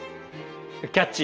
「キャッチ！